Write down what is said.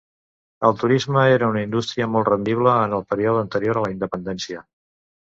El turisme era una indústria molt rendible en el període anterior a la independència.